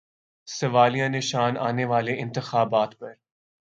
سوالیہ نشان آنے والے انتخابات پر۔